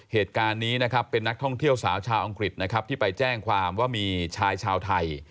เหตุการณ์นี้นะครับเป็นนักท่องเที่ยวสาวชาวอังกฤษนะครับที่ไปแจ้งความว่ามีชายชาวไทย